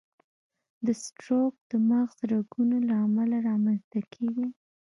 د سټروک د مغز رګونو له امله رامنځته کېږي.